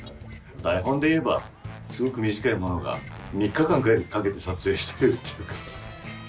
台本でいえばすごく短いものが３日間ぐらいかけて撮影してるっていう。